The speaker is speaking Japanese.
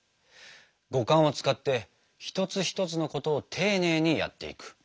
五感を使って一つ一つのことを丁寧にやっていく。